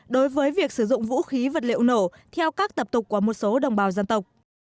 đối với việc sử dụng vũ khí vật liệu nổ theo các tập tục của một số đồng bào dân tộc